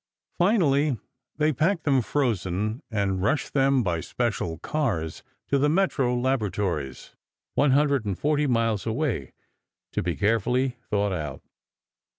Finally, they packed them, frozen, and rushed them by special cars to the Metro laboratories, one hundred and forty miles away, to be carefully thawed out.